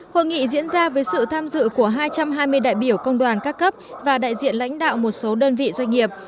hội nghị diễn ra với sự tham dự của hai trăm hai mươi đại biểu công đoàn các cấp và đại diện lãnh đạo một số đơn vị doanh nghiệp